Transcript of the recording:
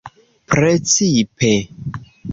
precipe